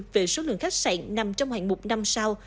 về số lượng khách sạn nằm trong hạng mục năm sao